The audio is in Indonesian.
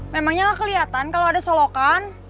memangnya gak keliatan kalau ada solokan